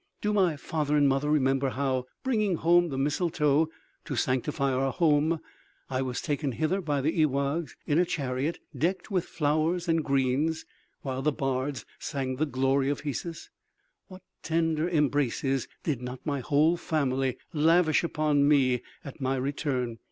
Do my father and mother remember how, bringing home the mistletoe to sanctify our home, I was taken hither by the ewaghs in a chariot decked with flowers and greens while the bards sang the glory of Hesus? What tender embraces did not my whole family lavish upon me at my return!